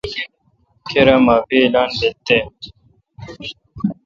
کیر معافی اعلان بیل تے۔